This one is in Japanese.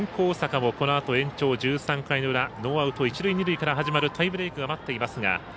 大阪もこのあと延長１３回の裏ノーアウト、一塁二塁から始まるタイブレークが待っていますが。